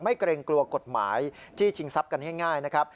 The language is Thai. เกรงกลัวกฎหมายจี้ชิงทรัพย์กันง่ายนะครับ